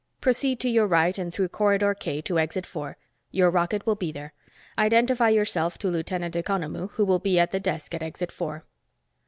Proceed to your right and through Corridor K to Exit Four. Your rocket will be there. Identify yourself to Lieutenant Economou who will be at the desk at Exit Four."